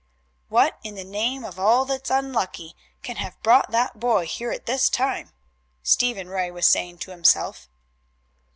"What in the name of all that's unlucky can have brought that boy here at this time?" Stephen Ray was saying to himself.